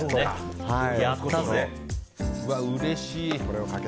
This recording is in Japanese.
うわ、うれしい。